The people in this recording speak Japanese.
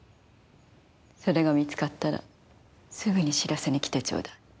それが見つかったらすぐに知らせに来てちょうだい。